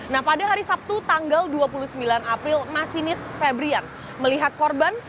nah pada hari sabtu tanggal dua puluh sembilan april masinis febrian melihat korban